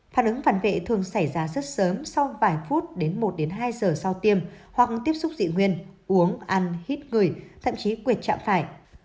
phản ứng phản vệ thường xảy ra rất sớm sau vài phút đến một hai giờ sau tiêm hoặc tiếp xúc dị nguyên uống ăn hít gửi thậm chí quẹt chạm phải